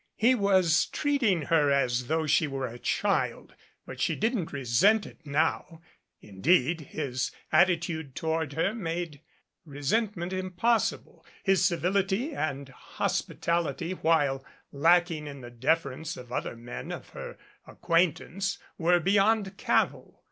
He was treating her as though she were a child, but she didn't resent it now. Indeed his attitude toward her made resentment impossible. His civility and hospitality, while lacking in the deference of other men of her ac quaintance, were beyond cavil.